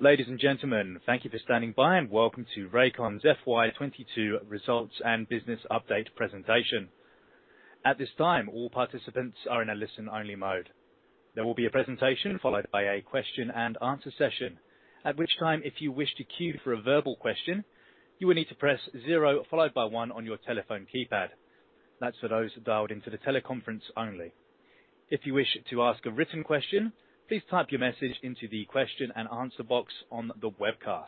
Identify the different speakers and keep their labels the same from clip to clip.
Speaker 1: Ladies and gentlemen, thank you for standing by and welcome to Rakon's FY 2022 results and business update presentation. At this time, all participants are in a listen-only mode. There will be a presentation followed by a question and answer session. At which time, if you wish to queue for a verbal question, you will need to press zero followed by one on your telephone keypad. That's for those dialed into the teleconference only. If you wish to ask a written question, please type your message into the question and answer box on the webcast.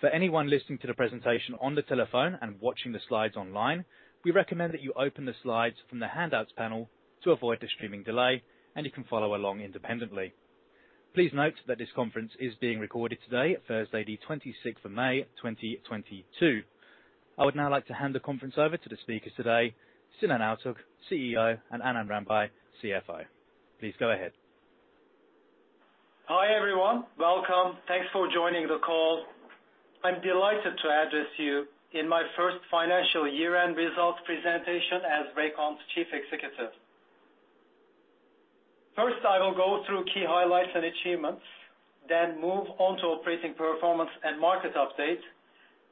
Speaker 1: For anyone listening to the presentation on the telephone and watching the slides online, we recommend that you open the slides from the handouts panel to avoid the streaming delay, and you can follow along independently. Please note that this conference is being recorded today, Thursday the 26th of May, 2022. I would now like to hand the conference over to the speakers today, Sinan Altug, CEO, and Anand Rambhai, CFO. Please go ahead.
Speaker 2: Hi, everyone. Welcome. Thanks for joining the call. I'm delighted to address you in my first financial year-end results presentation as Rakon's chief executive. First, I will go through key highlights and achievements, then move on to operating performance and market update.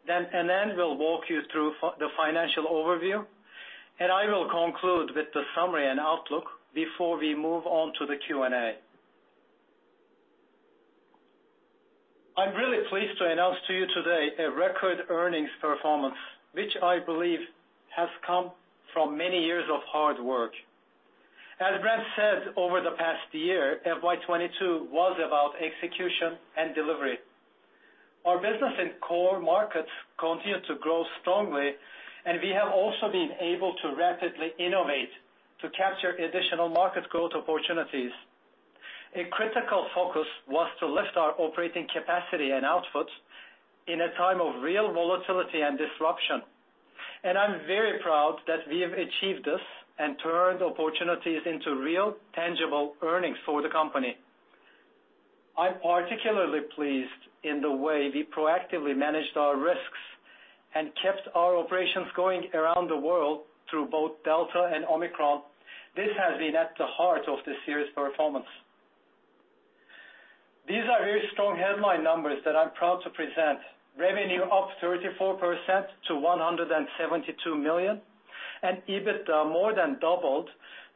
Speaker 2: Then Anand will walk you through the financial overview, and I will conclude with the summary and outlook before we move on to the Q&A. I'm really pleased to announce to you today a record earnings performance, which I believe has come from many years of hard work. As Brent said, over the past year, FY 2022 was about execution and delivery. Our business in core markets continued to grow strongly, and we have also been able to rapidly innovate to capture additional market growth opportunities. A critical focus was to lift our operating capacity and output in a time of real volatility and disruption. I'm very proud that we have achieved this and turned opportunities into real, tangible earnings for the company. I'm particularly pleased in the way we proactively managed our risks and kept our operations going around the world through both Delta and Omicron. This has been at the heart of this year's performance. These are very strong headline numbers that I'm proud to present. Revenue up 34% to 172 million, and EBITDA more than doubled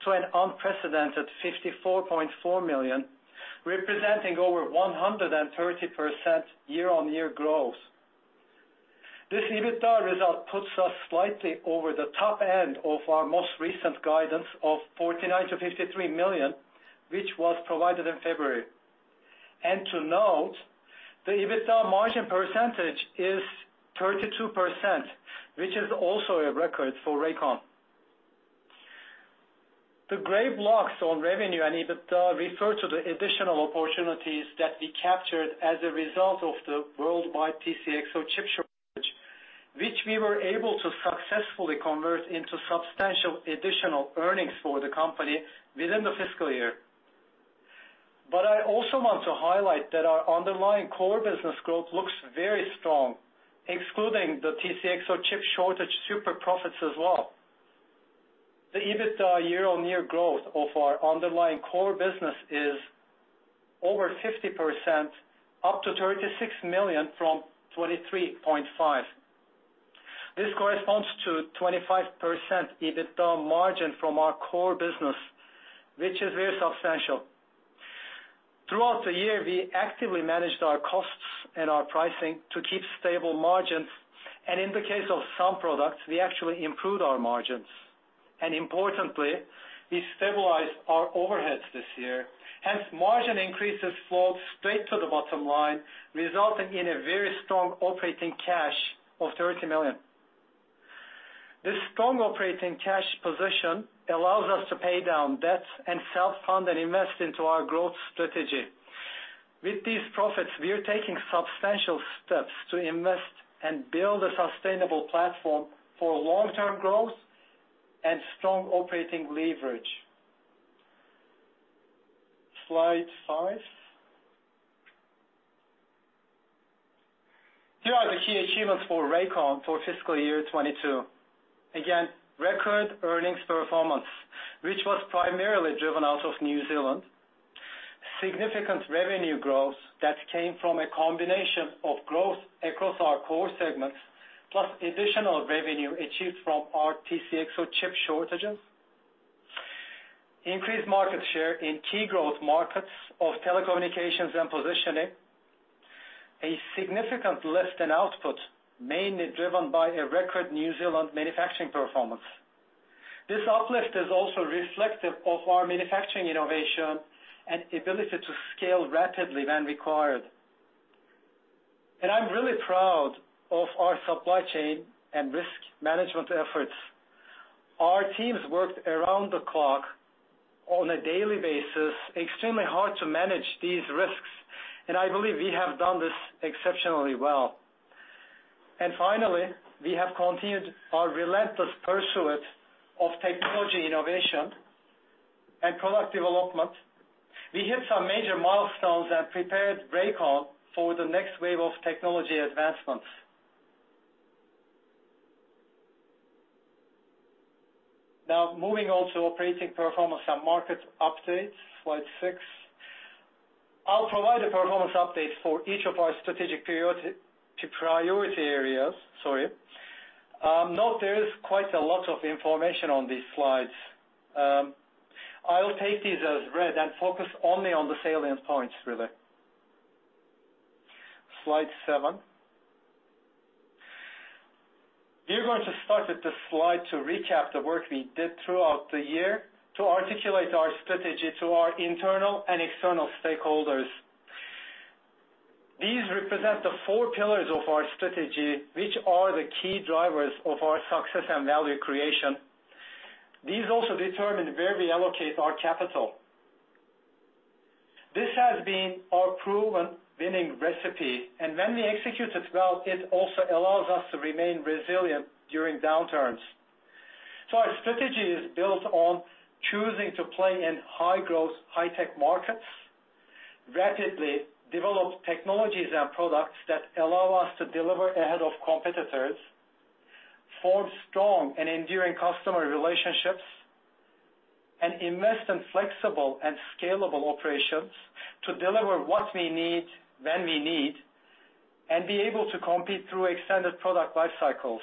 Speaker 2: to an unprecedented 54.4 million, representing over 130% year-on-year growth. This EBITDA result puts us slightly over the top end of our most recent guidance of 49 million-53 million, which was provided in February. To note, the EBITDA margin percentage is 32%, which is also a record for Rakon. The gray blocks on revenue and EBITDA refer to the additional opportunities that we captured as a result of the worldwide TCXO chip shortage, which we were able to successfully convert into substantial additional earnings for the company within the FY. I also want to highlight that our underlying core business growth looks very strong, excluding the TCXO chip shortage super profits as well. The EBITDA year-on-year growth of our underlying core business is over 50%, up to 36 million from 23.5 million. This corresponds to 25% EBITDA margin from our core business, which is very substantial. Throughout the year, we actively managed our costs and our pricing to keep stable margins, and in the case of some products, we actually improved our margins. Importantly, we stabilized our overheads this year. Hence, margin increases flowed straight to the bottom line, resulting in a very strong operating cash of 30 million. This strong operating cash position allows us to pay down debt and self-fund and invest into our growth strategy. With these profits, we are taking substantial steps to invest and build a sustainable platform for long-term growth and strong operating leverage. Slide five. Here are the key achievements for Rakon for FY 2022. Again, record earnings performance, which was primarily driven out of New Zealand. Significant revenue growth that came from a combination of growth across our core segments, plus additional revenue achieved from our TCXO chip shortages. Increased market share in key growth markets of telecommunications and positioning. A significant lift in output, mainly driven by a record New Zealand manufacturing performance. This uplift is also reflective of our manufacturing innovation and ability to scale rapidly when required. I'm really proud of our supply chain and risk management efforts. Our teams worked around the clock on a daily basis extremely hard to manage these risks, and I believe we have done this exceptionally well. Finally, we have continued our relentless pursuit of technology innovation and product development. We hit some major milestones and prepared Rakon for the next wave of technology advancements. Now moving on to operating performance and market updates. Slide six. I'll provide a performance update for each of our strategic priority areas, sorry. Note there is quite a lot of information on these slides. I'll take these as read and focus only on the salient points really. Slide seven. We're going to start with this slide to recap the work we did throughout the year to articulate our strategy to our internal and external stakeholders. These represent the four pillars of our strategy, which are the key drivers of our success and value creation. These also determine where we allocate our capital. This has been our proven winning recipe, and when we execute it well, it also allows us to remain resilient during downturns. Our strategy is built on choosing to play in high-growth, high-tech markets, rapidly develop technologies and products that allow us to deliver ahead of competitors, form strong and enduring customer relationships, and invest in flexible and scalable operations to deliver what we need when we need and be able to compete through extended product life cycles.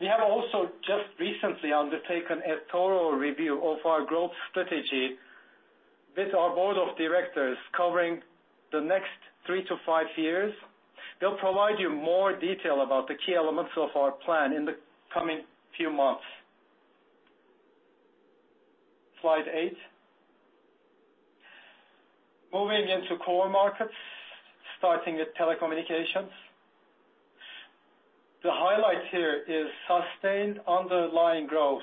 Speaker 2: We have also just recently undertaken a thorough review of our growth strategy with our board of directors covering the next 3-5 years. They'll provide you more detail about the key elements of our plan in the coming few months. Slide eight. Moving into core markets, starting with telecommunications. The highlight here is sustained underlying growth.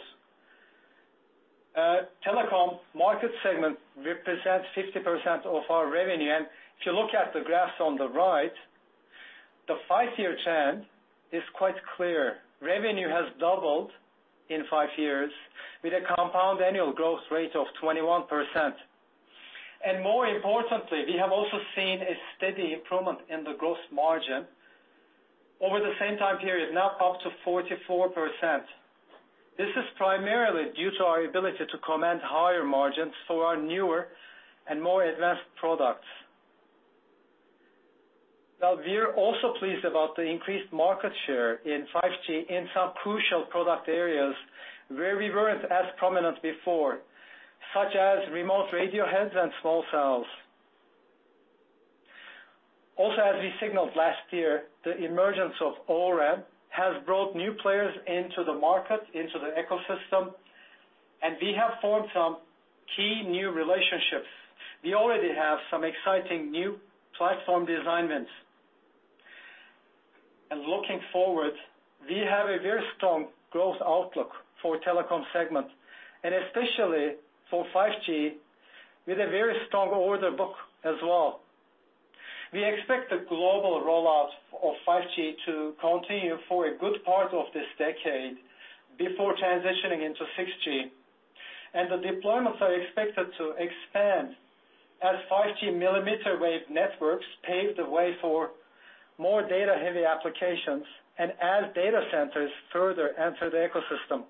Speaker 2: Telecom market segment represents 50% of our revenue, and if you look at the graphs on the right, the 5-year trend is quite clear. Revenue has doubled in 5 years with a compound annual growth rate of 21%. More importantly, we have also seen a steady improvement in the gross margin over the same time period, now up to 44%. This is primarily due to our ability to command higher margins for our newer and more advanced products. Now, we're also pleased about the increased market share in 5G in some crucial product areas where we weren't as prominent before, such as remote radio heads and small cells. As we signaled last year, the emergence of O-RAN has brought new players into the market, into the ecosystem, and we have formed some key new relationships. We already have some exciting new platform design wins. Looking forward, we have a very strong growth outlook for telecom segment and especially for 5G with a very strong order book as well. We expect the global rollout of 5G to continue for a good part of this decade before transitioning into 6G. The deployments are expected to expand as 5G millimeter wave networks pave the way for more data-heavy applications and as data centers further enter the ecosystem.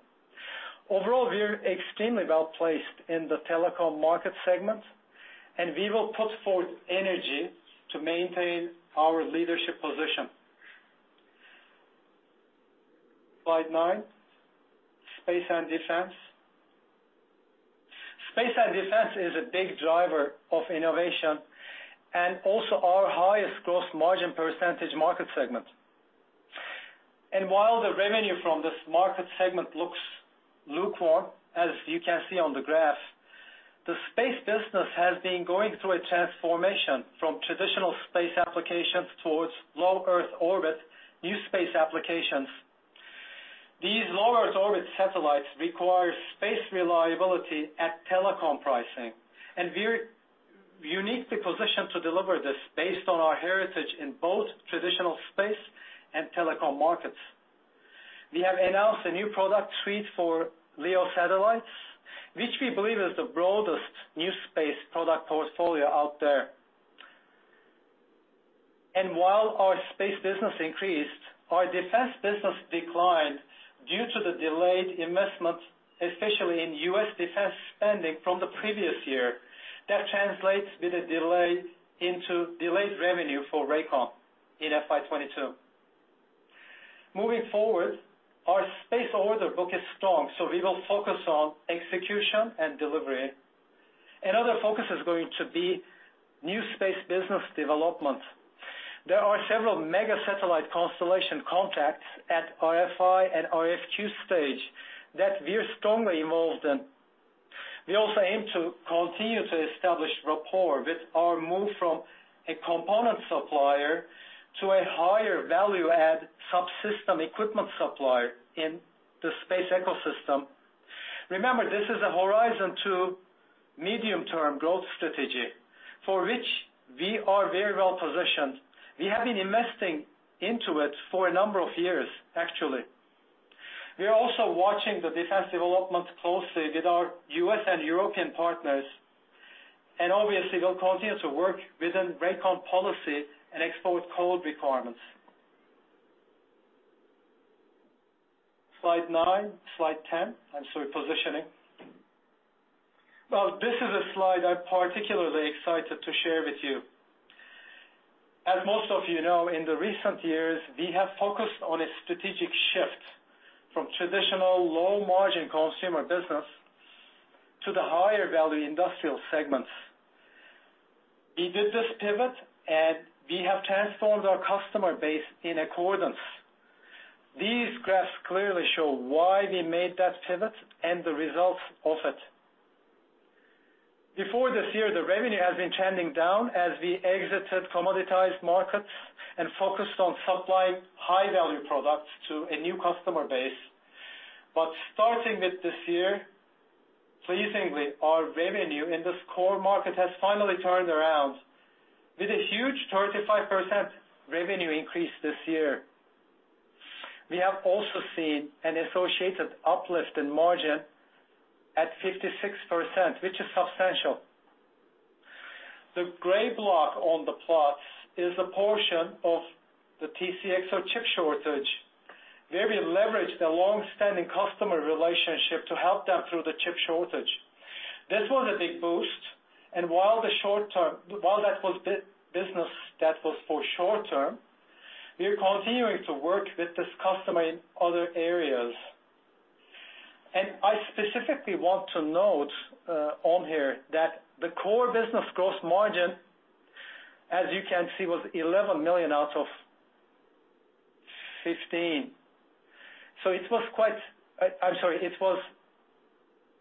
Speaker 2: Overall, we're extremely well placed in the telecom market segment, and we will put forth energy to maintain our leadership position. Slide nine, space and defense. Space and defense is a big driver of innovation and also our highest gross margin percentage market segment. While the revenue from this market segment looks lukewarm, as you can see on the graph, the space business has been going through a transformation from traditional space applications towards low Earth orbit new space applications. These low Earth orbit satellites require space reliability at telecom pricing, and we're uniquely positioned to deliver this based on our heritage in both traditional space and telecom markets. We have announced a new product suite for LEO satellites, which we believe is the broadest new space product portfolio out there. While our space business increased, our defense business declined due to the delayed investment, especially in U.S. defense spending from the previous year that translates with a delay into delayed revenue for Rakon in FY 2022. Moving forward, our space order book is strong, so we will focus on execution and delivery. Another focus is going to be new space business development. There are several mega satellite constellation contracts at RFI and RFQ stage that we're strongly involved in. We also aim to continue to establish rapport with our move from a component supplier to a higher value add subsystem equipment supplier in the space ecosystem. Remember, this is a horizon to medium-term growth strategy for which we are very well positioned. We have been investing into it for a number of years actually. We are also watching the defense development closely with our U.S. and European partners. Obviously we'll continue to work within Rakon policy and export code requirements. Slide nine. Slide 10. I'm sorry, positioning. Well, this is a slide I'm particularly excited to share with you. As most of you know, in the recent years, we have focused on a strategic shift from traditional low margin consumer business to the higher value industrial segments. We did this pivot, and we have transformed our customer base in accordance. These graphs clearly show why we made that pivot and the results of it. Before this year, the revenue has been trending down as we exited commoditized markets and focused on supplying high-value products to a new customer base. Starting with this year, pleasingly, our revenue in this core market has finally turned around with a huge 35% revenue increase this year. We have also seen an associated uplift in margin at 56%, which is substantial. The gray block on the plots is a portion of the TCXO chip shortage, where we leveraged a long-standing customer relationship to help them through the chip shortage. This was a big boost. While that was business that was for short term, we are continuing to work with this customer in other areas. I specifically want to note on here that the core business gross margin, as you can see, was 11 million out of 19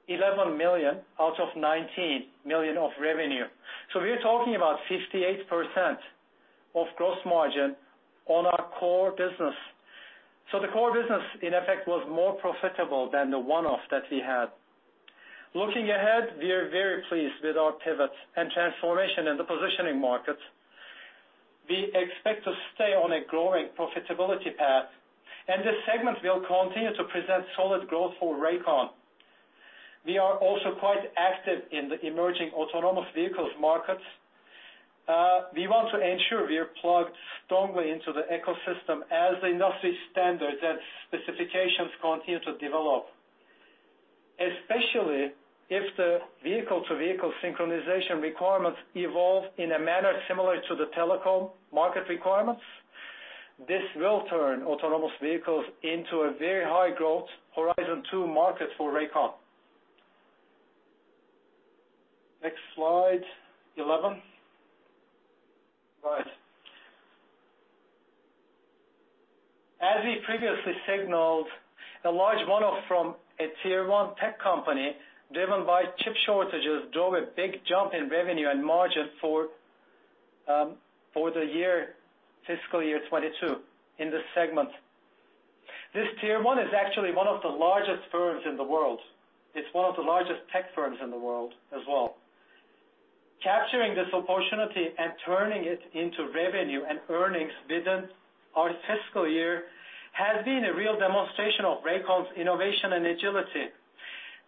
Speaker 2: million of revenue. We are talking about 58% of gross margin on our core business. The core business in effect was more profitable than the one-off that we had. Looking ahead, we are very pleased with our pivot and transformation in the positioning market. We expect to stay on a growing profitability path, and this segment will continue to present solid growth for Rakon. We are also quite active in the emerging autonomous vehicles markets. We want to ensure we are plugged strongly into the ecosystem as the industry standards and specifications continue to develop, especially if the vehicle-to-vehicle synchronization requirements evolve in a manner similar to the telecom market requirements. This will turn autonomous vehicles into a very high growth horizon two market for Rakon. Next slide, 11. Right. As we previously signaled, a large one-off from a tier one tech company driven by chip shortages drove a big jump in revenue and margin for the year, FY 2022 in this segment. This tier one is actually one of the largest firms in the world. It's one of the largest tech firms in the world as well. Capturing this opportunity and turning it into revenue and earnings within our FY has been a real demonstration of Rakon's innovation and agility.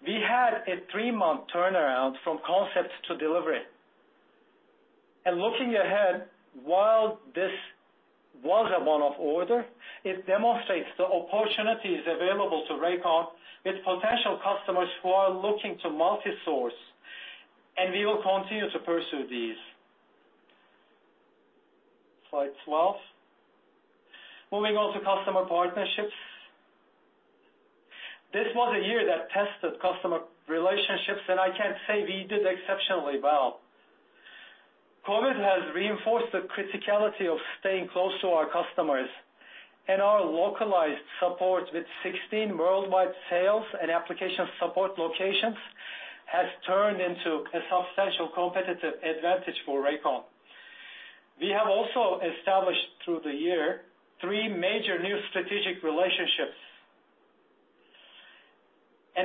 Speaker 2: We had a three-month turnaround from concept to delivery. Looking ahead, while this was a one-off order, it demonstrates the opportunities available to Rakon with potential customers who are looking to multi-source, and we will continue to pursue these. Slide 12. Moving on to customer partnerships. This was a year that tested customer relationships, and I can say we did exceptionally well. COVID has reinforced the criticality of staying close to our customers, and our localized support with 16 worldwide sales and application support locations has turned into a substantial competitive advantage for Rakon. We have also established through the year 3 major new strategic relationships.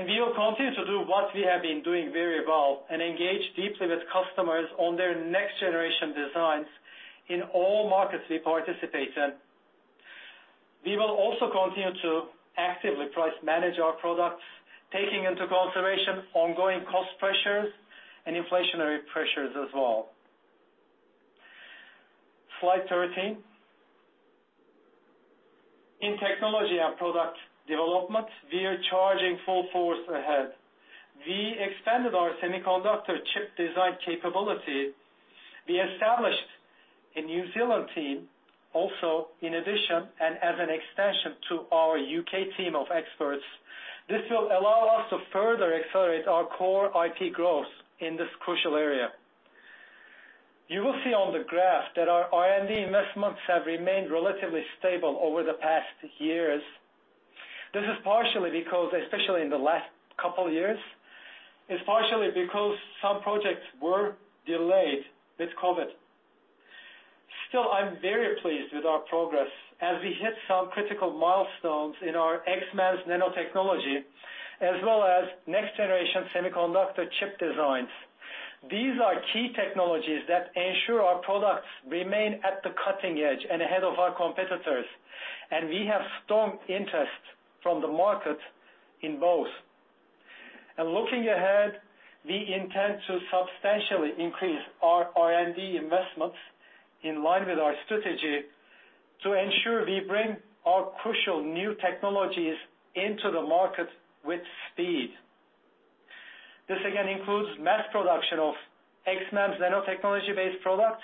Speaker 2: We will continue to do what we have been doing very well and engage deeply with customers on their next generation designs in all markets we participate in. We will also continue to actively price manage our products, taking into consideration ongoing cost pressures and inflationary pressures as well. Slide 13. In technology and product development, we are charging full force ahead. We expanded our semiconductor chip design capability. We established a New Zealand team also in addition and as an extension to our UK team of experts. This will allow us to further accelerate our core IP growth in this crucial area. You will see on the graph that our R&D investments have remained relatively stable over the past years. This is partially because, especially in the last couple years, some projects were delayed with COVID. Still, I'm very pleased with our progress as we hit some critical milestones in our XMEMS nanotechnology as well as next generation semiconductor chip designs. These are key technologies that ensure our products remain at the cutting edge and ahead of our competitors, and we have strong interest from the market in both. Looking ahead, we intend to substantially increase our R&D investments in line with our strategy to ensure we bring our crucial new technologies into the market with speed. This again includes mass production of XMEMS nanotechnology-based products,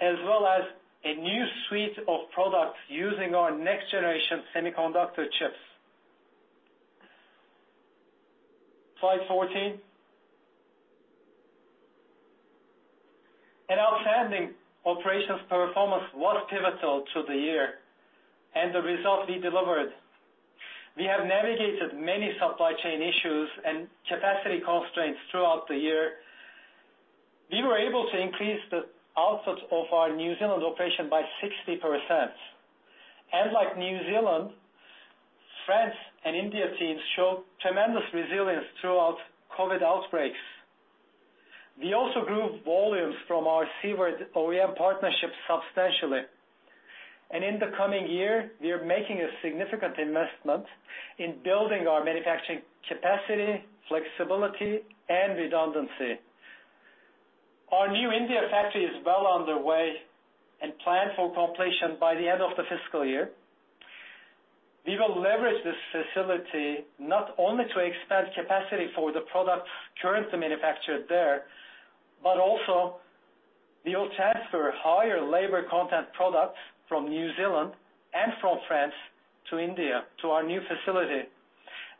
Speaker 2: as well as a new suite of products using our next generation semiconductor chips. Slide 14. An outstanding operations performance was pivotal to the year and the result we delivered. We have navigated many supply chain issues and capacity constraints throughout the year. We were able to increase the output of our New Zealand operation by 60%. Like New Zealand, France and India teams showed tremendous resilience throughout COVID outbreaks. We also grew volumes from our Siward OEM partnership substantially. In the coming year, we are making a significant investment in building our manufacturing capacity, flexibility and redundancy. Our new India factory is well underway and planned for completion by the end of the FY. We will leverage this facility not only to expand capacity for the products currently manufactured there, but also we will transfer higher labor content products from New Zealand and from France to India to our new facility.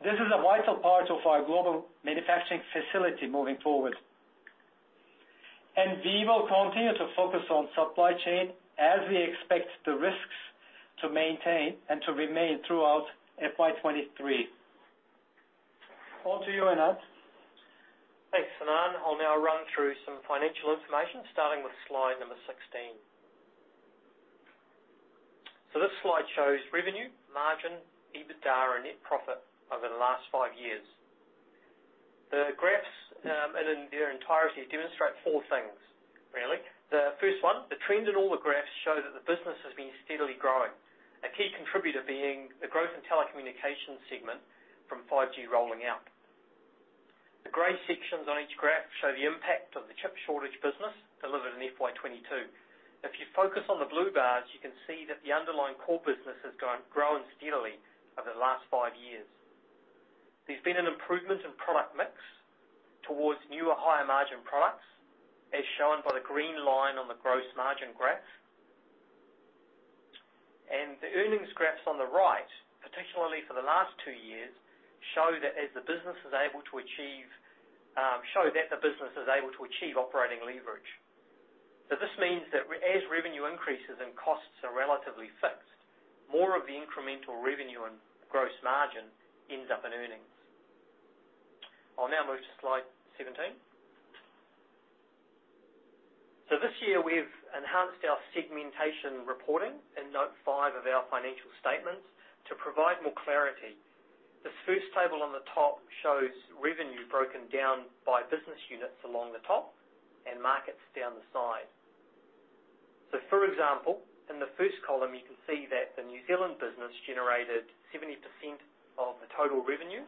Speaker 2: This is a vital part of our global manufacturing facility moving forward. We will continue to focus on supply chain as we expect the risks to maintain and to remain throughout FY 23. Over to you, Anand.
Speaker 3: Thanks, Sinan. I'll now run through some financial information, starting with slide number 16. This slide shows revenue, margin, EBITDA and net profit over the last five years. The graphs in their entirety demonstrate four things, really. The first one, the trend in all the graphs show that the business has been steadily growing, a key contributor being the growth in telecommunications segment from 5G rolling out. The gray sections on each graph show the impact of the chip shortage. Business delivered in FY 2022. If you focus on the blue bars, you can see that the underlying core business has grown steadily over the last five years. There's been an improvement in product mix towards newer, higher margin products, as shown by the green line on the gross margin graph. The earnings graphs on the right, particularly for the last two years, show that the business is able to achieve operating leverage. This means that as revenue increases and costs are relatively fixed, more of the incremental revenue and gross margin ends up in earnings. I'll now move to slide 17. This year we've enhanced our segmentation reporting in note 5 of our financial statements to provide more clarity. This first table on the top shows revenue broken down by business units along the top and markets down the side. For example, in the first column, you can see that the New Zealand business generated 70% of the total revenue,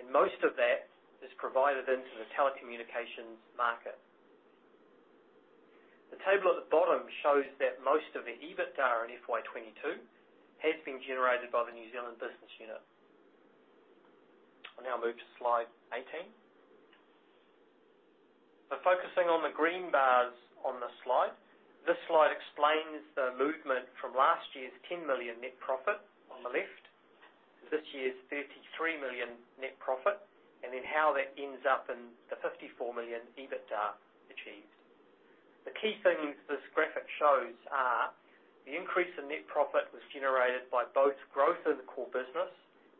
Speaker 3: and most of that is provided into the telecommunications market. The table at the bottom shows that most of the EBITDA in FY 2022 has been generated by the New Zealand business unit. I'll now move to slide 18. Focusing on the green bars on this slide. This slide explains the movement from last year's 10 million net profit on the left to this year's 33 million net profit, and then how that ends up in the 54 million EBITDA achieved. The key things this graphic shows are the increase in net profit was generated by both growth in the core business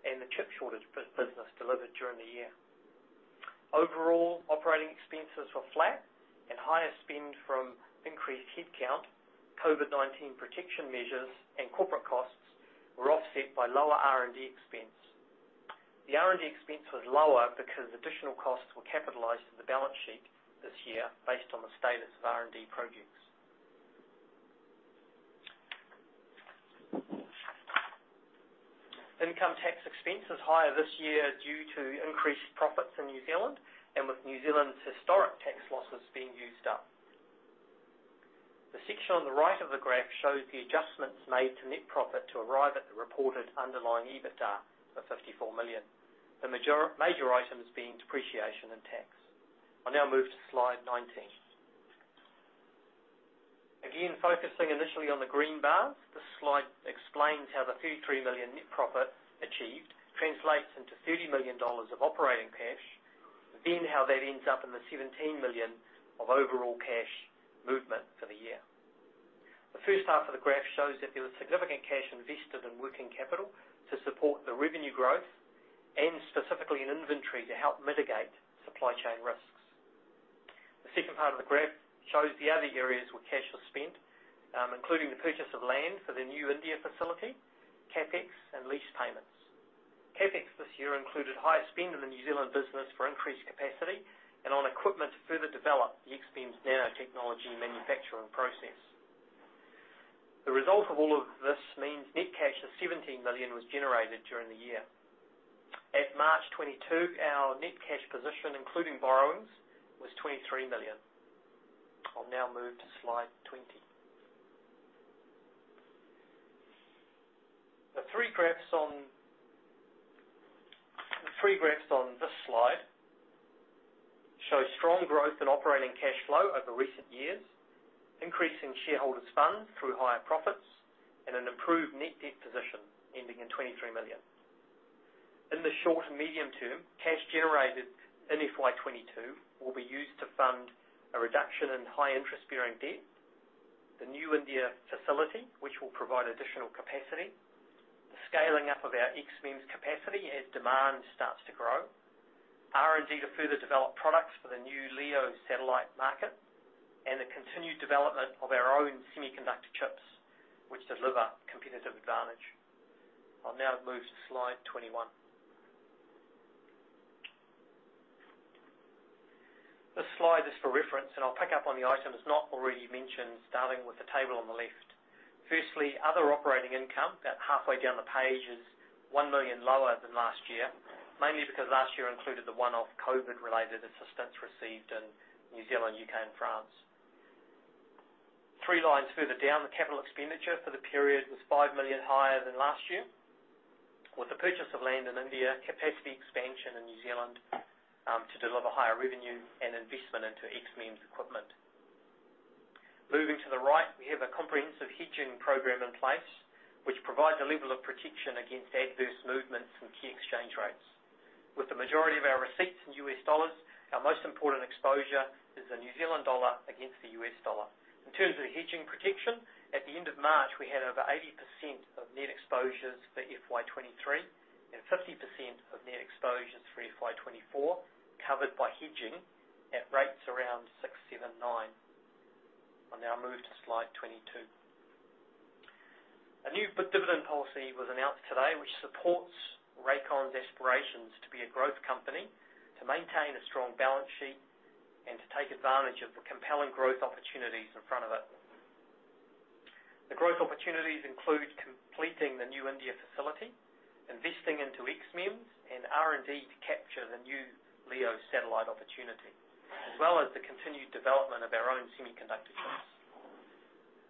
Speaker 3: and the chip shortage business delivered during the year. Overall, operating expenses were flat and higher spend from increased headcount, COVID-19 protection measures and corporate costs were offset by lower R&D expense. The R&D expense was lower because additional costs were capitalized in the balance sheet this year based on the status of R&D projects. Income tax expense is higher this year due to increased profits in New Zealand and with New Zealand's historic tax losses being used up. The section on the right of the graph shows the adjustments made to net profit to arrive at the reported underlying EBITDA of 54 million, the major items being depreciation and tax. I'll now move to slide 19. Again, focusing initially on the green bars, this slide explains how the 33 million net profit achieved translates into 30 million dollars of operating cash, then how that ends up in the 17 million of overall cash movement for the year. The first half of the graph shows that there was significant cash invested in working capital to support the revenue growth and specifically in inventory to help mitigate supply chain risks. The second part of the graph shows the other areas where cash was spent, including the purchase of land for the new India facility, CapEx and lease payments. CapEx this year included higher spend in the New Zealand business for increased capacity and on equipment to further develop the XMEMS nanotechnology manufacturing process. The result of all of this means net cash of 17 million was generated during the year. At March 2022, our net cash position, including borrowings, was 23 million. I'll now move to slide 20. The three graphs on this slide show strong growth in operating cash flow over recent years, increasing shareholders funds through higher profits and an improved net debt position ending in 23 million. In the short and medium term, cash generated in FY 2022 will be used to fund a reduction in high interest bearing debt, the new India facility, which will provide additional capacity, the scaling up of our XMEMS capacity as demand starts to grow, R&D to further develop products for the new LEO satellite market, and the continued development of our own semiconductor chips, which deliver competitive advantage. I'll now move to slide 21. This slide is for reference, and I'll pick up on the items not already mentioned, starting with the table on the left. Firstly, other operating income, about halfway down the page, is 1 million lower than last year, mainly because last year included the one-off COVID related assistance received in New Zealand, UK and France. Three lines further down, the capital expenditure for the period was 5 million higher than last year, with the purchase of land in India, capacity expansion in New Zealand to deliver higher revenue and investment into XMEMS equipment. Moving to the right, we have a comprehensive hedging program in place which provides a level of protection against adverse movements in key exchange rates. With the majority of our receipts in U.S. dollars, our most important exposure is the New Zealand dollar against the U.S. dollar. In terms of hedging protection, at the end of March, we had over 80% of net exposures for FY 2023 and 50% of net exposures for FY 2024 covered by hedging at rates around 0.679. I'll now move to slide 22. A new dividend policy was announced today which supports Rakon's aspirations to be a growth company, to maintain a strong balance sheet, and to take advantage of the compelling growth opportunities in front of it. The growth opportunities include completing the new India facility, investing into XMEMS and R&D to capture the new Leo satellite opportunity, as well as the continued development of our own semiconductor chips.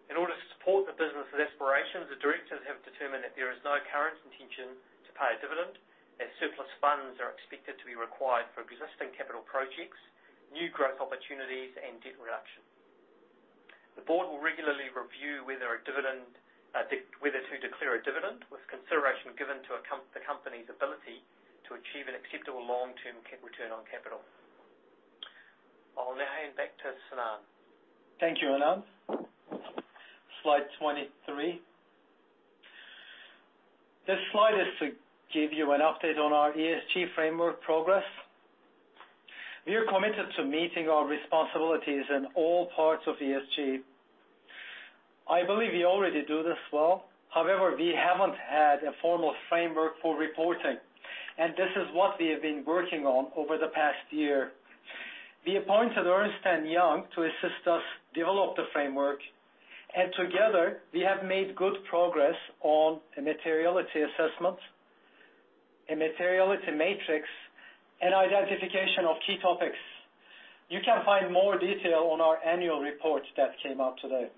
Speaker 3: In order to support the business's aspirations, the directors have determined that there is no current intention to pay a dividend, as surplus funds are expected to be required for existing capital projects, new growth opportunities and debt reduction. The board will regularly review whether to declare a dividend, with consideration given to the company's ability to achieve an acceptable long-term return on capital. I'll now hand back to Sinan.
Speaker 2: Thank you, Anand. Slide 23. This slide is to give you an update on our ESG framework progress. We are committed to meeting our responsibilities in all parts of ESG. I believe we already do this well. However, we haven't had a formal framework for reporting, and this is what we have been working on over the past year. We appointed Ernst & Young to assist us develop the framework, and together we have made good progress on a materiality assessment, a materiality matrix, and identification of key topics. You can find more detail on our annual report that came out today.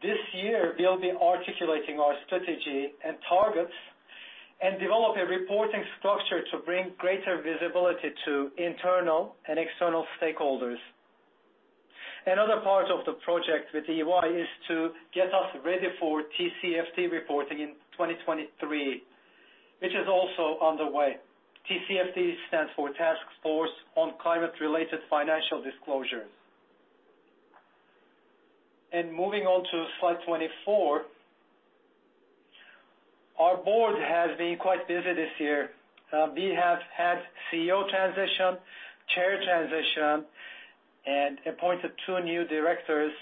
Speaker 2: This year, we'll be articulating our strategy and targets and develop a reporting structure to bring greater visibility to internal and external stakeholders. Another part of the project with EY is to get us ready for TCFD reporting in 2023, which is also underway. TCFD stands for Task Force on Climate-related Financial Disclosures. Moving on to slide 24. Our board has been quite busy this year. We have had CEO transition, chair transition, and appointed two new directors.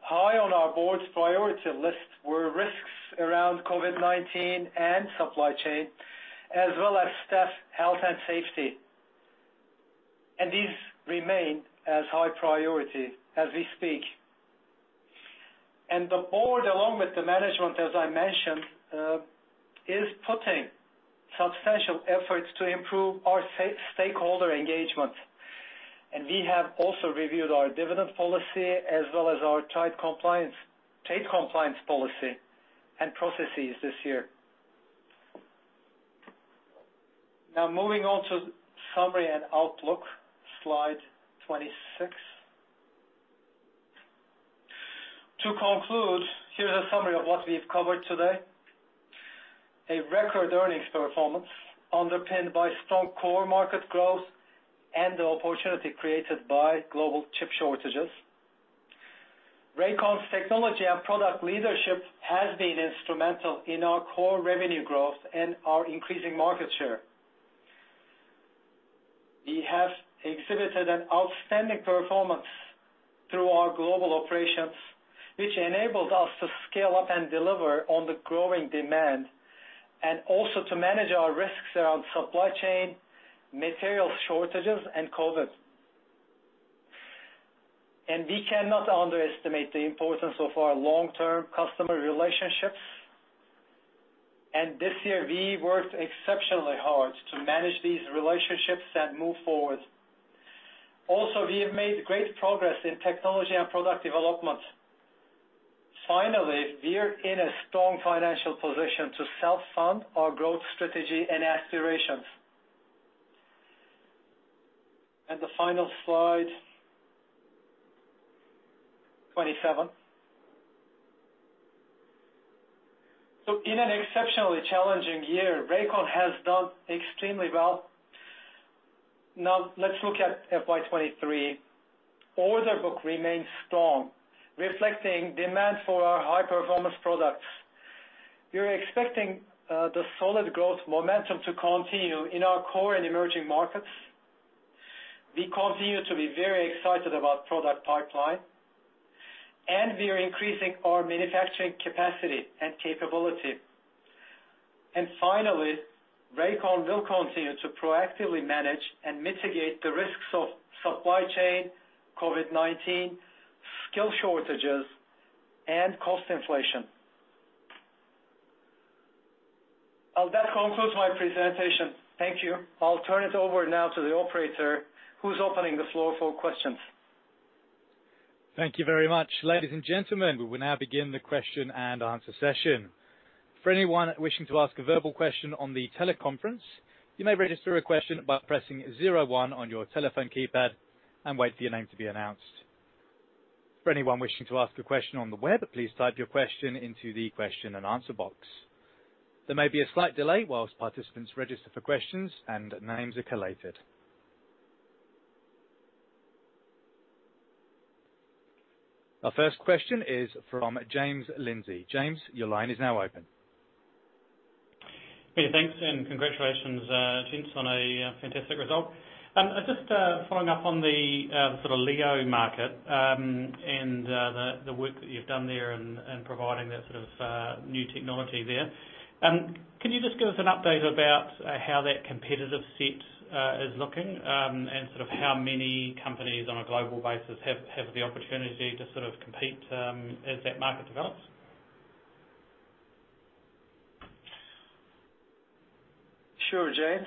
Speaker 2: High on our board's priority list were risks around COVID-19 and supply chain, as well as staff health and safety. These remain as high priority as we speak. The board, along with the management, as I mentioned, is putting substantial efforts to improve our stakeholder engagement. We have also reviewed our dividend policy as well as our trade compliance policy and processes this year. Now moving on to summary and outlook. Slide 26. To conclude, here's a summary of what we've covered today. A record earnings performance underpinned by strong core market growth and the opportunity created by global chip shortages. Rakon's technology and product leadership has been instrumental in our core revenue growth and our increasing market share. We have exhibited an outstanding performance through our global operations, which enabled us to scale up and deliver on the growing demand and also to manage our risks around supply chain, material shortages, and COVID. We cannot underestimate the importance of our long-term customer relationships. This year, we worked exceptionally hard to manage these relationships and move forward. We have made great progress in technology and product development. Finally, we're in a strong financial position to self-fund our growth strategy and aspirations. The final slide, 27. In an exceptionally challenging year, Rakon has done extremely well. Now let's look at FY 23. Order book remains strong, reflecting demand for our high-performance products. We're expecting the solid growth momentum to continue in our core and emerging markets. We continue to be very excited about product pipeline, and we are increasing our manufacturing capacity and capability. Finally, Rakon will continue to proactively manage and mitigate the risks of supply chain, COVID-19, skill shortages, and cost inflation. Well, that concludes my presentation. Thank you. I'll turn it over now to the operator who's opening the floor for questions.
Speaker 1: Thank you very much. Ladies and gentlemen, we will now begin the question and answer session. For anyone wishing to ask a verbal question on the teleconference, you may register a question by pressing zero one on your telephone keypad and wait for your name to be announced. For anyone wishing to ask a question on the web, please type your question into the question-and-answer box. There may be a slight delay while participants register for questions and names are collated. Our first question is from James Lindsay. James, your line is now open.
Speaker 4: Yeah, thanks, and congratulations, gents, on a fantastic result. I just following up on the sort of LEO market, and the work that you've done there in providing that sort of new technology there. Can you just give us an update about how that competitive set is looking, and sort of how many companies on a global basis have the opportunity to sort of compete, as that market develops?
Speaker 2: Sure, James.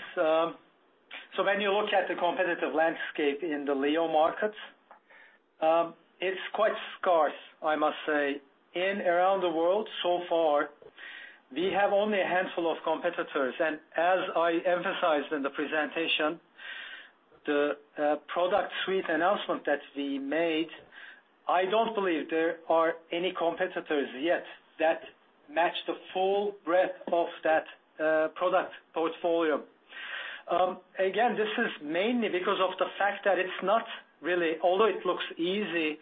Speaker 2: When you look at the competitive landscape in the LEO markets, it's quite scarce, I must say. Around the world so far, we have only a handful of competitors, and as I emphasized in the presentation, the product suite announcement that we made, I don't believe there are any competitors yet that match the full breadth of that product portfolio. Again, this is mainly because of the fact that it's not really. Although it looks easy,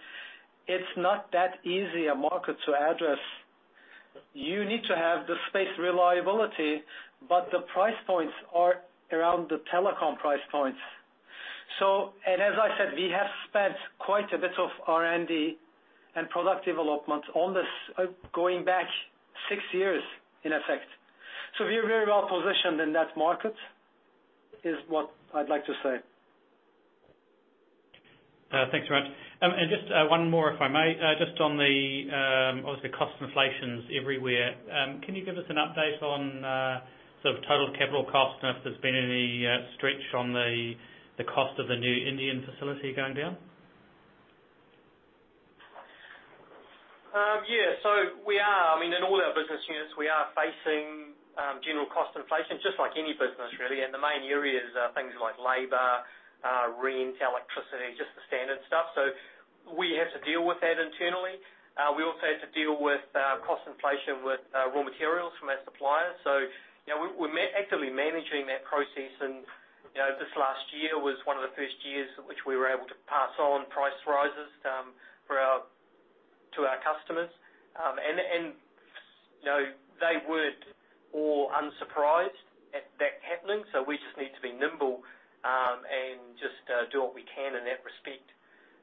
Speaker 2: it's not that easy a market to address. You need to have the space reliability, but the price points are around the telecom price points. As I said, we have spent quite a bit of R&D and product development on this going back six years in effect. We're very well positioned in that market, is what I'd like to say.
Speaker 4: Thanks very much. Just one more, if I may. Just on the obviously cost inflation is everywhere. Can you give us an update on sort of total capital costs and if there's been any stretch on the cost of the new Indian facility going down?
Speaker 2: Yeah. We are. I mean, in all our business units, we are facing general cost inflation, just like any business really. The main areas are things like labor, rent, electricity, just the standard stuff. We have to deal with that internally. We also have to deal with cost inflation with raw materials from our suppliers. You know, we're actively managing that process. You know, this last year was one of the first years in which we were able to pass on price rises to our customers. And you know, they weren't all unsurprised at that happening, so we just need to be nimble and just do what we can in that respect.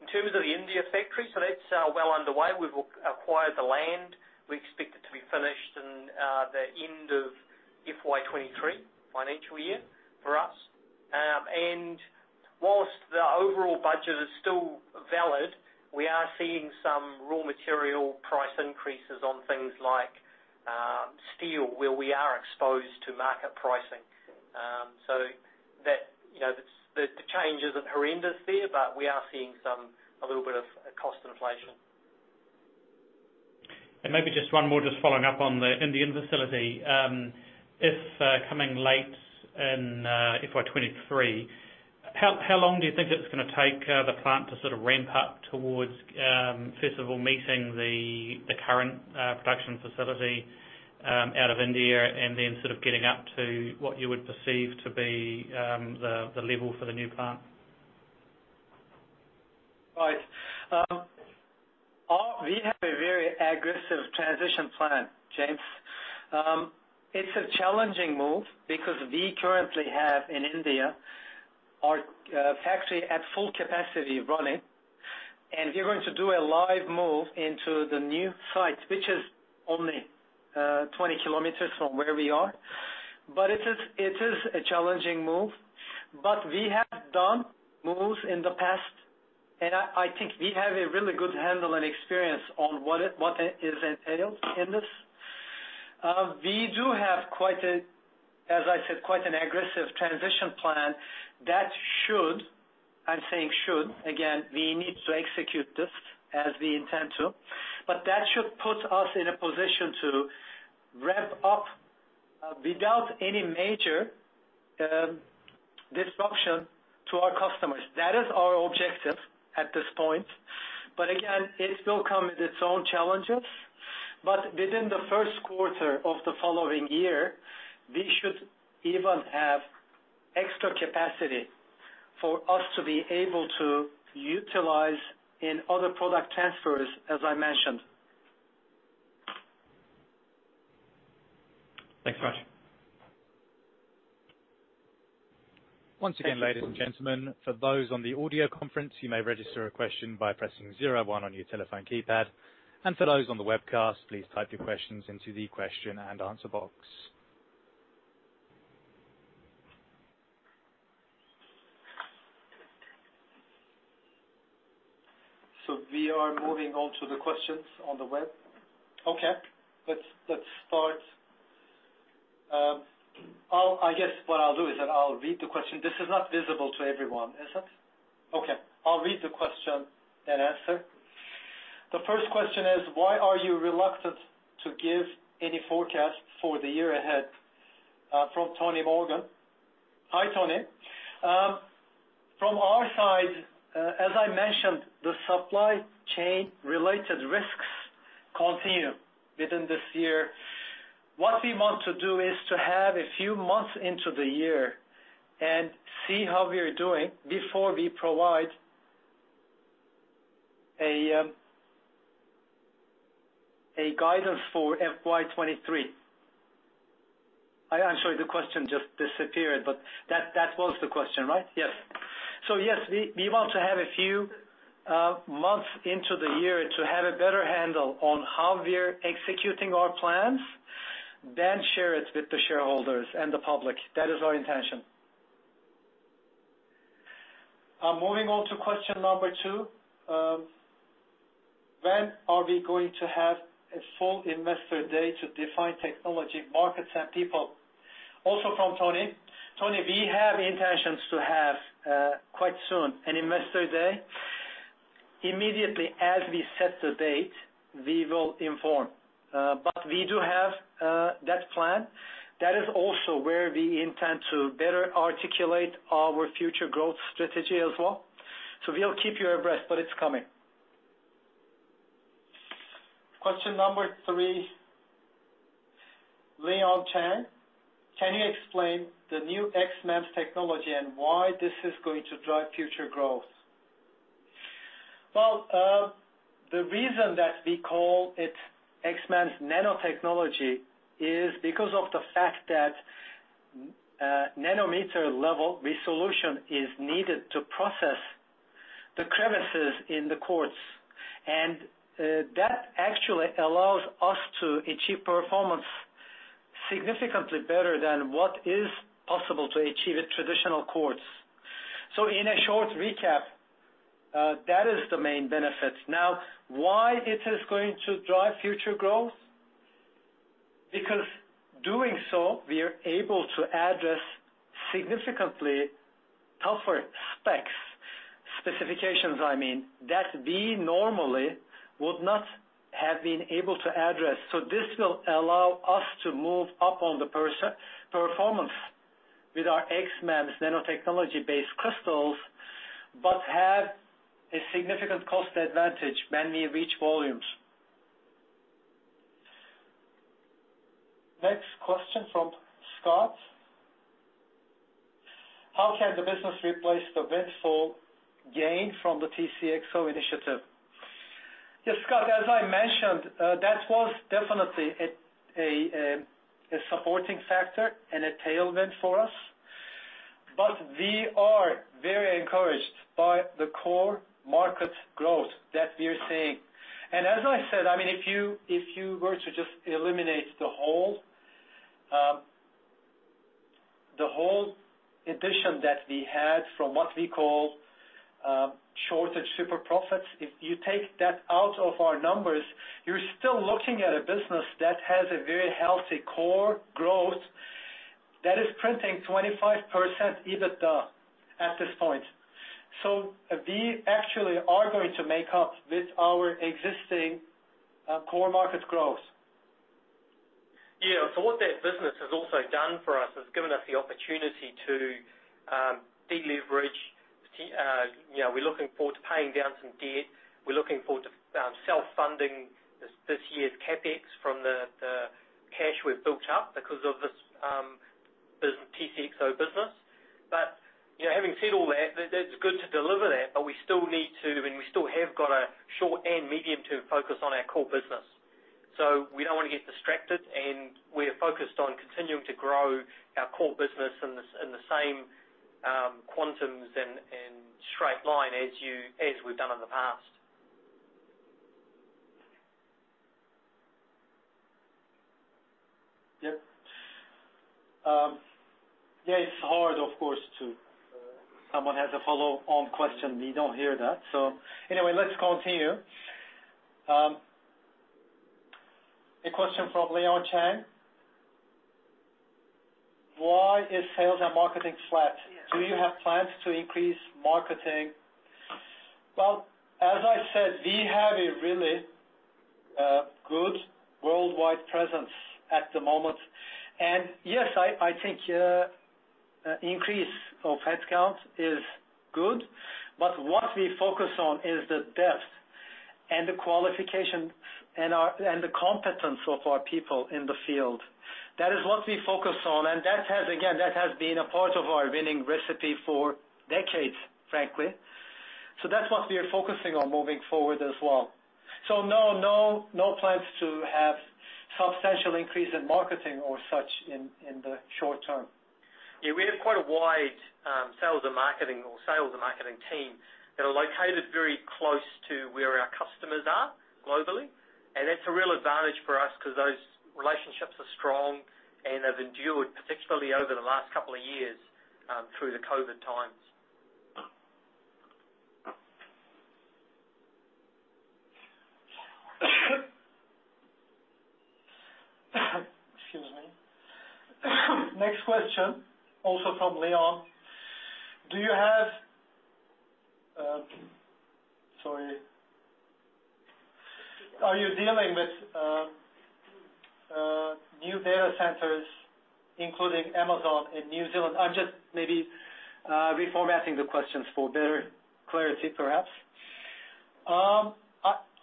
Speaker 2: In terms of the India factory, that's well underway. We've acquired the land. We expect it to be finished in the end of FY 23 financial year for us. While the overall budget is still valid, we are seeing some raw material price increases on things like steel, where we are exposed to market pricing. You know, the change isn't horrendous there, but we are seeing a little bit of cost inflation.
Speaker 4: Maybe just one more, just following up on the Indian facility. If coming late in FY 2023, how long do you think it's gonna take the plant to sort of ramp up towards, first of all, meeting the current production facility out of India, and then sort of getting up to what you would perceive to be the level for the new plant?
Speaker 2: Right. We have a very aggressive transition plan, James. It's a challenging move because we currently have in India our factory at full capacity running. We're going to do a live move into the new site, which is only 20 kilometers from where we are. It is a challenging move, but we have done moves in the past, and I think we have a really good handle and experience on what is entailed in this. We do have quite a, as I said, quite an aggressive transition plan that should, I'm saying should, again, we need to execute this as we intend to, but that should put us in a position to ramp up without any major disruption to our customers. That is our objective at this point, but again, it will come with its own challenges. Within the Q1 of the following year, we should even have extra capacity for us to be able to utilize in other product transfers, as I mentioned.
Speaker 4: Thanks very much.
Speaker 1: Once again, ladies and gentlemen, for those on the audio conference, you may register a question by pressing zero one on your telephone keypad. For those on the webcast, please type your questions into the question and answer box.
Speaker 2: We are moving on to the questions on the web. Okay. Let's start. I guess what I'll do is that I'll read the question. This is not visible to everyone, is it? Okay. I'll read the question, then answer. The first question is, why are you reluctant to give any forecast for the year ahead, from Tony Morgan. Hi, Tony. From our side, as I mentioned, the supply chain related risks continue within this year. What we want to do is to have a few months into the year and see how we are doing before we provide a guidance for FY 23. I'm sorry, the question just disappeared, but that was the question, right? Yes. Yes, we want to have a few months into the year to have a better handle on how we're executing our plans, then share it with the shareholders and the public. That is our intention. Moving on to question number two. When are we going to have a full investor day to define technology markets and people? Also from Tony. Tony, we have intentions to have quite soon an investor day. Immediately as we set the date, we will inform. We do have that plan. That is also where we intend to better articulate our future growth strategy as well. We'll keep you abreast, but it's coming. Question number three, Leon Chang. Can you explain the new XMEMS technology and why this is going to drive future growth? Well, the reason that we call it XMEMS nanotechnology is because of the fact that, nanometer level resolution is needed to process the crevices in the quartz, and, that actually allows us to achieve performance significantly better than what is possible to achieve with traditional quartz. In a short recap, that is the main benefit. Now, why it is going to drive future growth? Because doing so, we are able to address significantly tougher specifications, I mean, that we normally would not have been able to address. This will allow us to move up on the performance with our XMEMS nanotechnology-based crystals, but have a significant cost advantage when we reach volumes. Next question from Scott. How can the business replace the windfall gain from the TCXO initiative? Yes, Scott, as I mentioned, that was definitely a supporting factor and a tailwind for us, but we are very encouraged by the core market growth that we are seeing. As I said, I mean, if you were to just eliminate the whole addition that we had from what we call shortage super profits, if you take that out of our numbers, you're still looking at a business that has a very healthy core growth that is printing 25% EBITDA at this point. We actually are going to make up with our existing core market growth.
Speaker 3: Yeah. What that business has also done for us has given us the opportunity to deleverage. You know, we're looking forward to paying down some debt. We're looking forward to self-funding this year's CapEx from the cash we've built up because of this TCXO business. You know, having said all that's good to deliver that, but we still need to, and we still have got a short- and medium-term focus on our core business. We don't wanna get distracted, and we are focused on continuing to grow our core business in the same quantums and straight line as we've done in the past.
Speaker 2: A question from Leon Chang. Why is sales and marketing flat? Do you have plans to increase marketing? Well, as I said, we have a really good worldwide presence at the moment. Yes, I think an increase of headcount is good, but what we focus on is the depth and the qualification and the competence of our people in the field. That is what we focus on, and that has, again, been a part of our winning recipe for decades, frankly. That's what we are focusing on moving forward as well. No plans to have substantial increase in marketing or such in the short term.
Speaker 3: Yeah. We have quite a wide sales and marketing team that are located very close to where our customers are globally. That's a real advantage for us 'cause those relationships are strong and have endured, particularly over the last couple of years, through the COVID times.
Speaker 2: Excuse me. Next question, also from Leon Chang: Do you have... Sorry. Are you dealing with new data centers, including Amazon in New Zealand? I'm just maybe reformatting the questions for better clarity, perhaps.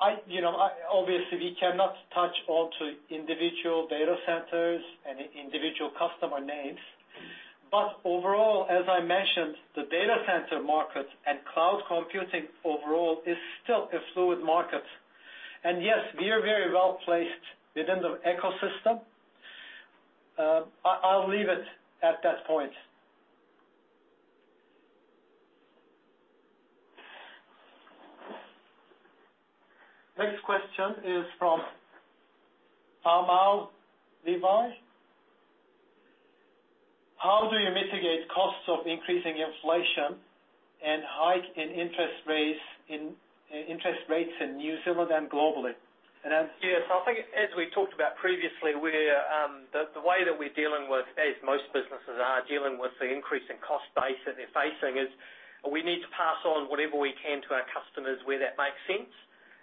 Speaker 2: I you know, obviously, we cannot touch on to individual data centers and individual customer names. Overall, as I mentioned, the data center market and cloud computing overall is still a fluid market. Yes, we are very well placed within the ecosystem. I'll leave it at that point. Next question is from Amal Levi. How do you mitigate costs of increasing inflation and hike in interest rates in interest rates in New Zealand and globally?
Speaker 3: Yes. I think as we talked about previously, the way that we're dealing with, as most businesses are dealing with the increase in cost base that they're facing, is we need to pass on whatever we can to our customers where that makes sense.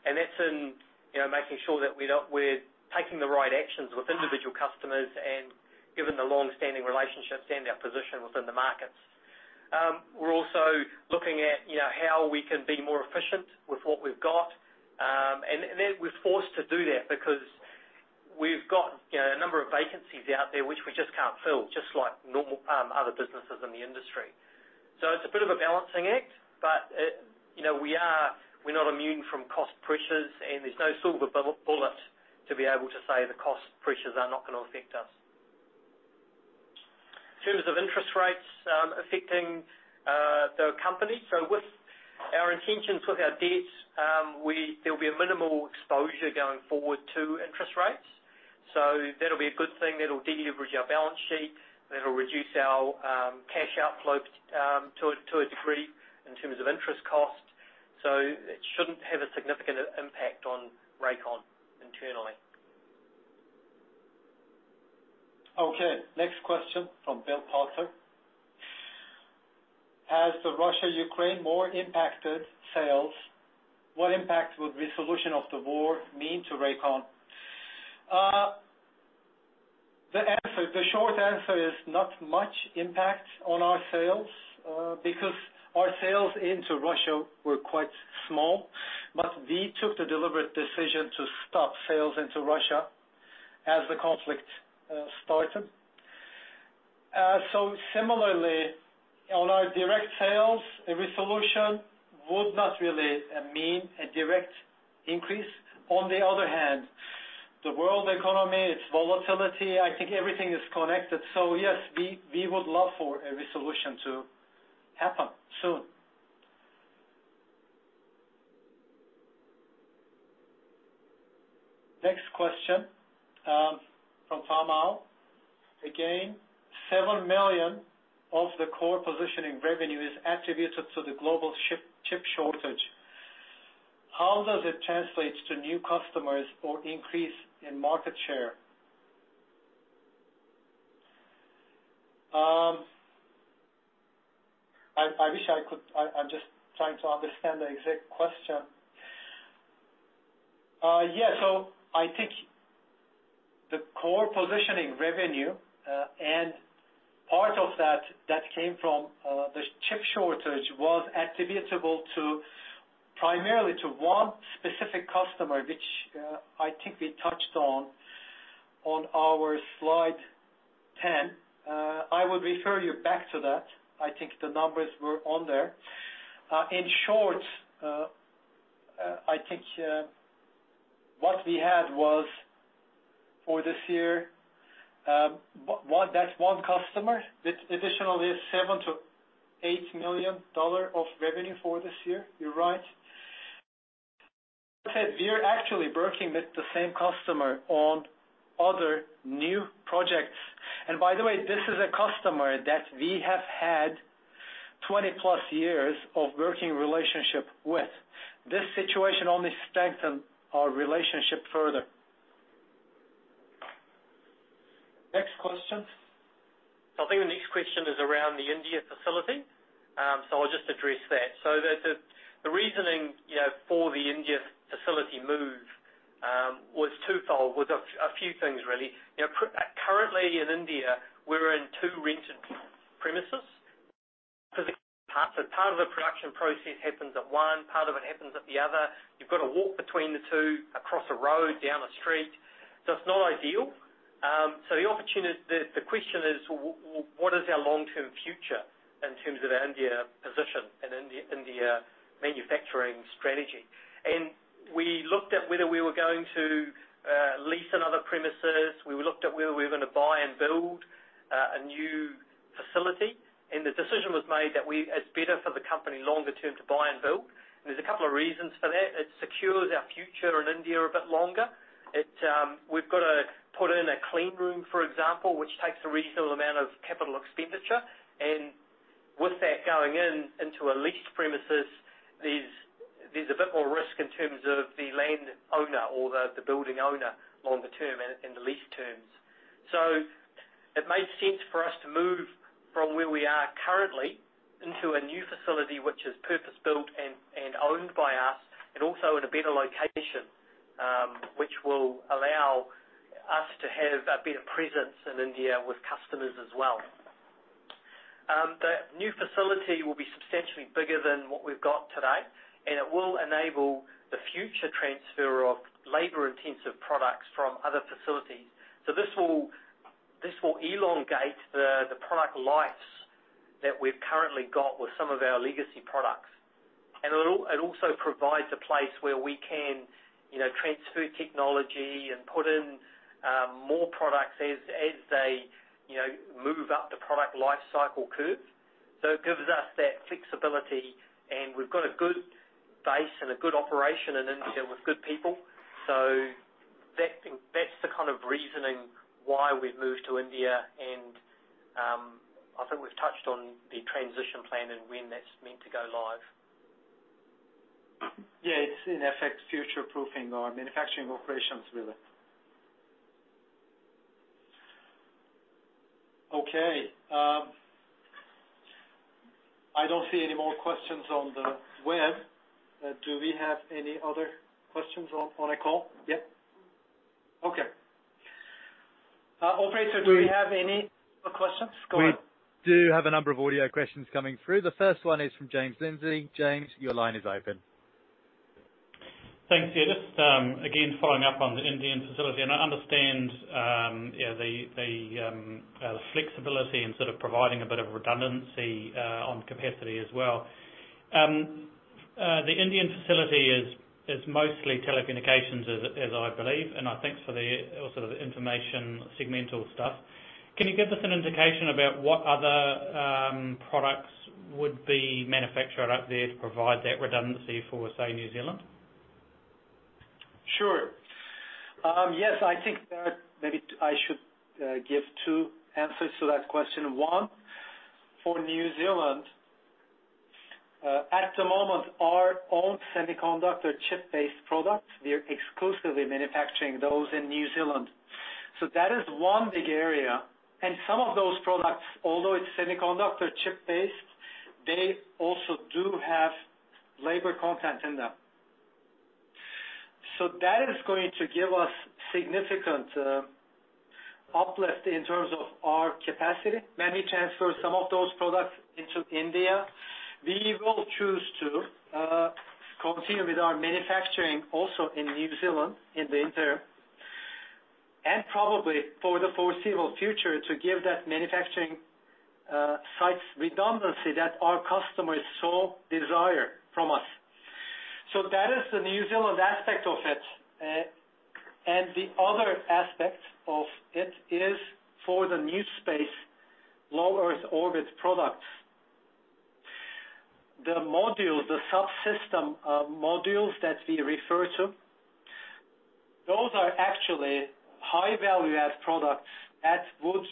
Speaker 3: That's in, you know, making sure that we're taking the right actions with individual customers and given the long-standing relationships and our position within the markets. We're also looking at, you know, how we can be more efficient with what we've got. We're forced to do that because we've got, you know, a number of vacancies out there which we just can't fill, just like normal, other businesses in the industry. It's a bit of a balancing act, but it, you know, we're not immune from cost pressures, and there's no silver bullet to be able to say the cost pressures are not gonna affect us. In terms of interest rates affecting the company. With our intentions with our debts, there'll be a minimal exposure going forward to interest rates. That'll be a good thing. That'll deleverage our balance sheet. That'll reduce our cash outflows to a degree in terms of interest costs. It shouldn't have a significant impact on Rakon internally.
Speaker 2: Okay. Next question from Bill Parker. Has the Russia/Ukraine war impacted sales? What impact would resolution of the war mean to Rakon? The short answer is not much impact on our sales, because our sales into Russia were quite small. We took the deliberate decision to stop sales into Russia as the conflict started. Similarly, on our direct sales, a resolution would not really mean a direct increase. On the other hand, the world economy, its volatility, I think everything is connected. Yes, we would love for a resolution to happen soon. Next question from Amal. Again, 7 million of the core positioning revenue is attributed to the global chip shortage. How does it translates to new customers or increase in market share? I wish I could. I'm just trying to understand the exact question. Yeah. I think the core positioning revenue and part of that that came from the chip shortage was attributable to primarily to one specific customer, which I think we touched on on our slide. I would refer you back to that. I think the numbers were on there. In short, I think what we had was for this year one customer with additionally 7 million-8 million dollar of revenue for this year. You're right. We're actually working with the same customer on other new projects. By the way, this is a customer that we have had 20+ years of working relationship with. This situation only strengthened our relationship further. Next question.
Speaker 3: I think the next question is around the India facility, so I'll just address that. The reasoning, you know, for the India facility move, was twofold, with a few things really. You know, currently in India, we're in two rented premises. Part of the production process happens at one, part of it happens at the other. You've got to walk between the two across a road, down a street. It's not ideal. The question is what is our long-term future in terms of our India position and India manufacturing strategy? We looked at whether we were going to lease another premises. We looked at whether we were gonna buy and build a new facility. The decision was made that it's better for the company longer term to buy and build. There's a couple of reasons for that. It secures our future in India a bit longer. We've got to put in a clean room, for example, which takes a reasonable amount of capital expenditure. With that going in, into a leased premises, there's a bit more risk in terms of the land owner or the building owner longer term and the lease terms. It made sense for us to move from where we are currently into a new facility which is purpose-built and owned by us, and also in a better location, which will allow us to have a better presence in India with customers as well. The new facility will be substantially bigger than what we've got today, and it will enable the future transfer of labor-intensive products from other facilities. This will elongate the product lives that we've currently got with some of our legacy products. It also provides a place where we can, you know, transfer technology and put in more products as they, you know, move up the product life cycle curve. It gives us that flexibility, and we've got a good base and a good operation in India with good people. That's the kind of reasoning why we've moved to India and, I think we've touched on the transition plan and when that's meant to go live.
Speaker 2: Yeah. It's in effect future-proofing our manufacturing operations really. Okay. I don't see any more questions on the web. Do we have any other questions on the call? Yeah. Okay. Operator, do we have any more questions? Go on.
Speaker 1: We do have a number of audio questions coming through. The first one is from James Lindsay. James, your line is open.
Speaker 4: Thanks. Yeah, just again, following up on the Indian facility, and I understand yeah, the flexibility in sort of providing a bit of redundancy on capacity as well. The Indian facility is mostly telecommunications as I believe, and I think for the also the information segmental stuff. Can you give us an indication about what other products would be manufactured out there to provide that redundancy for, say, New Zealand?
Speaker 2: Sure. Yes, I think that maybe I should give two answers to that question. One, for New Zealand, at the moment, our own semiconductor chip-based products, we're exclusively manufacturing those in New Zealand. That is one big area. Some of those products, although it's semiconductor chip-based, they also do have labor content in them. That is going to give us significant uplift in terms of our capacity. When we transfer some of those products into India, we will choose to continue with our manufacturing also in New Zealand in the interim, and probably for the foreseeable future, to give that manufacturing sites redundancy that our customers so desire from us. That is the New Zealand aspect of it. The other aspect of it is for the new space, low Earth orbit products. The modules, the subsystem, modules that we refer to, those are actually high value-add products that would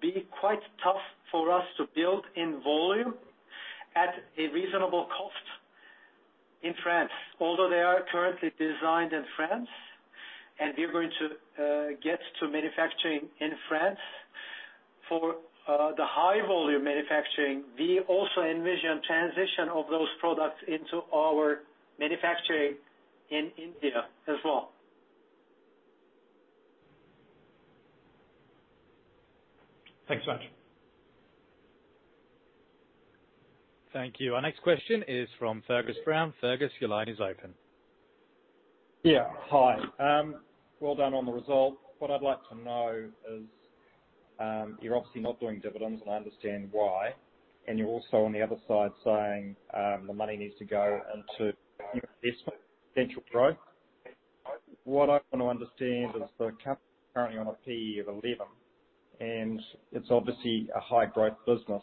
Speaker 2: be quite tough for us to build in volume at a reasonable cost in France. Although they are currently designed in France, and we're going to get to manufacturing in France, for the high volume manufacturing, we also envision transition of those products into our manufacturing in India as well.
Speaker 4: Thanks very much.
Speaker 1: Thank you. Our next question is from Fergus Brown. Fergus, your line is open.
Speaker 5: Yeah. Hi. Well done on the result. What I'd like to know is, you're obviously not doing dividends, and I understand why. You're also on the other side saying, the money needs to go into investment, potential growth. What I wanna understand is the company currently on a P/E of 11, and it's obviously a high-growth business.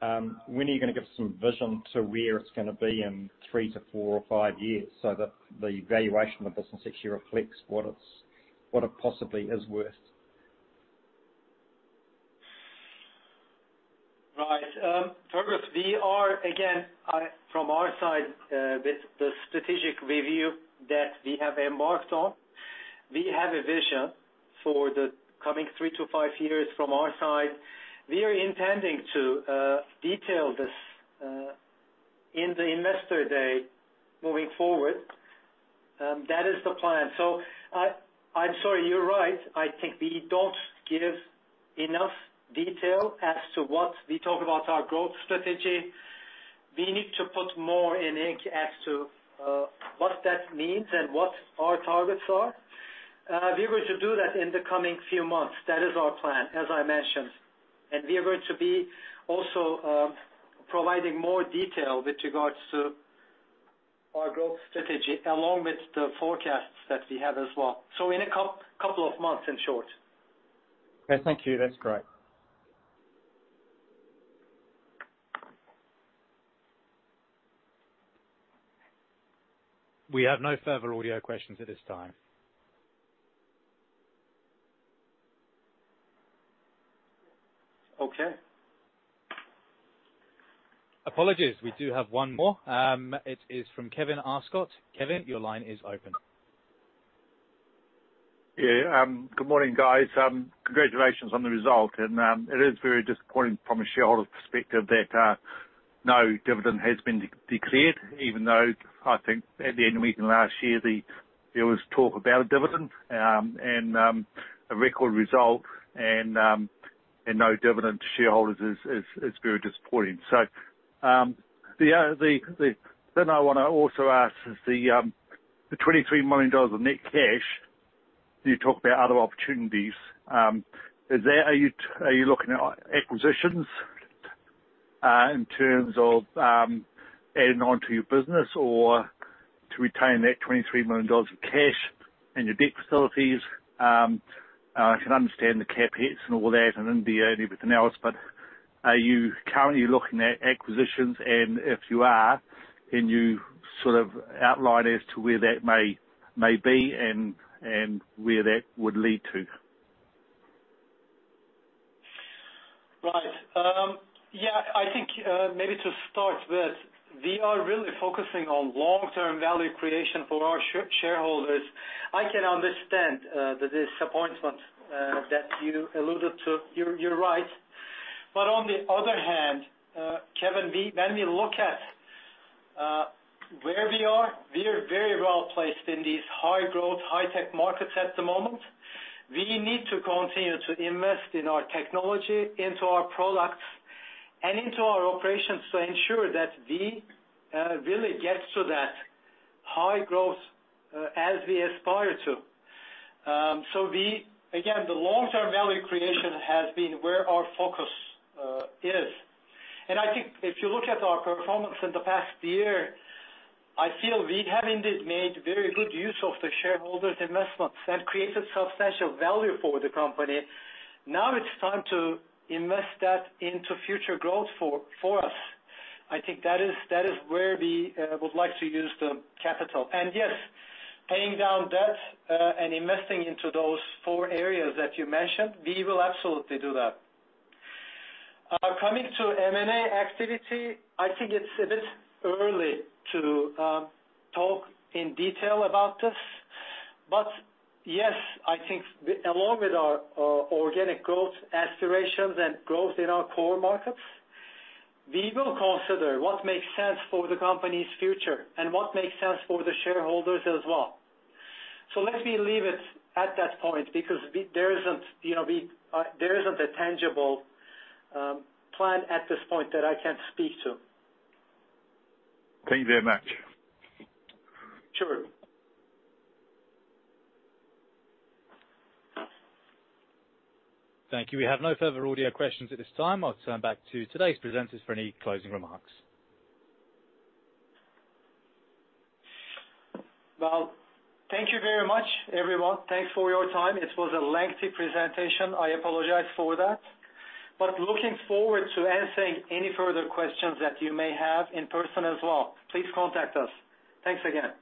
Speaker 5: When are you gonna give some vision to where it's gonna be in 3-4 or 5 years so that the valuation of the business actually reflects what it possibly is worth?
Speaker 2: Right. Fergus, from our side, with the strategic review that we have embarked on, we have a vision for the coming three to five years from our side. We are intending to detail this in the investor day moving forward. That is the plan. I'm sorry, you're right. I think we don't give enough detail as to what we talk about our growth strategy. We need to put more in ink as to what that means and what our targets are. We're going to do that in the coming few months. That is our plan, as I mentioned. We are going to be also providing more detail with regards to our growth strategy along with the forecasts that we have as well. In a couple of months, in short.
Speaker 5: Okay, thank you. That's great.
Speaker 1: We have no further audio questions at this time.
Speaker 2: Okay.
Speaker 1: Apologies. We do have one more. It is from Kevin Arscott. Kevin, your line is open.
Speaker 6: Yeah. Good morning, guys. Congratulations on the result. It is very disappointing from a shareholder perspective that no dividend has been declared, even though I think at the end of the week and last year, there was talk about a dividend, and a record result and no dividend to shareholders is very disappointing. I wanna also ask, is the 23 million dollars of net cash you talked about other opportunities. Are you looking at acquisitions in terms of adding on to your business or to retain that 23 million dollars of cash in your debt facilities? I can understand the CapEx and all that and R&D and everything else, but are you currently looking at acquisitions? If you are, can you sort of outline as to where that may be and where that would lead to?
Speaker 2: Right. Yeah, I think, maybe to start with, we are really focusing on long-term value creation for our shareholders. I can understand the disappointment that you alluded to. You're right. On the other hand, Kevin, we, when we look at where we are, we are very well-placed in these high-growth, high-tech markets at the moment. We need to continue to invest in our technology, into our products, and into our operations to ensure that we really get to that high growth, as we aspire to. Again, the long-term value creation has been where our focus is. I think if you look at our performance in the past year, I feel we have indeed made very good use of the shareholders' investments and created substantial value for the company. Now it's time to invest that into future growth for us. I think that is where we would like to use the capital. Yes, paying down debt and investing into those four areas that you mentioned, we will absolutely do that. Coming to M&A activity, I think it's a bit early to talk in detail about this. Yes, I think along with our organic growth aspirations and growth in our core markets, we will consider what makes sense for the company's future and what makes sense for the shareholders as well. Let me leave it at that point because there isn't, you know, a tangible plan at this point that I can speak to.
Speaker 6: Thank you very much.
Speaker 2: Sure.
Speaker 1: Thank you. We have no further audio questions at this time. I'll turn back to today's presenters for any closing remarks.
Speaker 2: Well, thank you very much, everyone. Thanks for your time. It was a lengthy presentation. I apologize for that. Looking forward to answering any further questions that you may have in person as well. Please contact us. Thanks again.